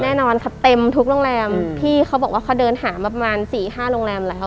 แน่นอนค่ะเต็มทุกโรงแรมพี่เขาบอกว่าเขาเดินหามาประมาณสี่ห้าโรงแรมแล้ว